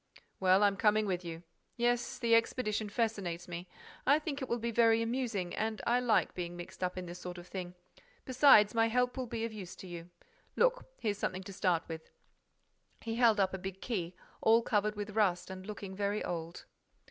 "Well, I'm coming with you. Yes, the expedition fascinates me. I think it will be very amusing and I like being mixed up in this sort of thing.—Besides, my help will be of use to you. Look, here's something to start with." He held up a big key, all covered with rust and looking very old.